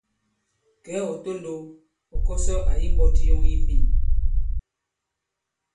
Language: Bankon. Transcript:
Kɛ̌ ɔ̀ tondow, ɔ̀ kɔsɔ àyi mbɔti yɔŋ yi mbîn.